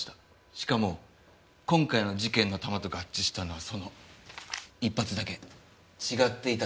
しかも今回の事件の弾と合致したのはその１発だけ違っていた弾です。